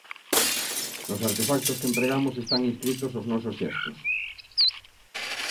Nos artefactos que empregamos están inscritos os nosos xestos.